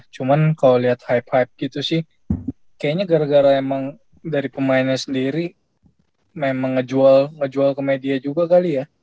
cuman kalau liat hype hype gitu sih kayaknya gara gara emang dari pemainnya sendiri memang ngejual ke media juga kali ya